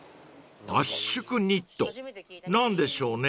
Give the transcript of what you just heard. ［圧縮ニット何でしょうね？］